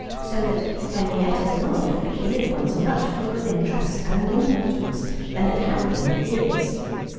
So that Henrietta's life became at once much fuller of interest and importance than it had been for years.